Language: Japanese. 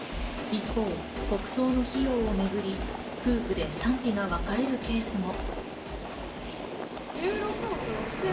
一方、国葬の費用をめぐり、夫婦で賛否が分かれるケースも。